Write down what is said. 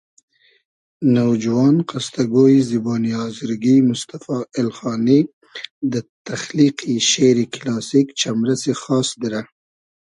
نوجوان قستۂ گۉیی زیبونی آزرگی موستئفا ایلخانی دۂ تئخلیقی شېری کیلاسیک چئمرئسی خاس دیرۂ